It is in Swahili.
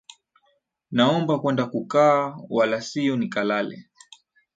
Naomba kwenda kukaa, wala sio nikalale,